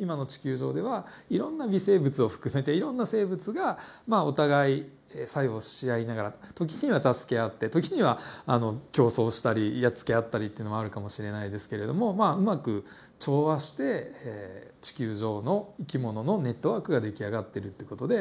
今の地球上ではいろんな微生物を含めていろんな生物がまあお互い作用し合いながら時には助け合って時には競争したりやっつけ合ったりっていうのもあるかもしれないですけれどもまあうまく調和して地球上の生き物のネットワークが出来上がってるって事で。